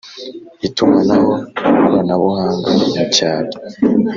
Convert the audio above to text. itumanaho koranabuhanga mu cyaro